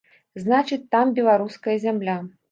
Значыць, там беларуская зямля.